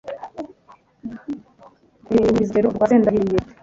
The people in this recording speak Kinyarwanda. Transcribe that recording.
Ruhinirizakibero rwa sendahiriye